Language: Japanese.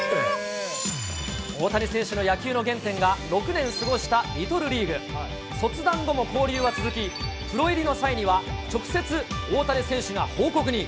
大谷選手の野球の原点が、６年過ごしたリトルリーグ、卒団後も交流は続き、プロ入りの際には直接大谷選手が報告に。